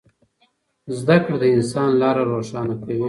زده کړه د انسان لاره روښانه کوي.